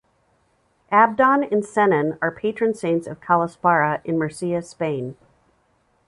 Abdon and Sennen are patron saints of Calasparra, in Murcia, Spain.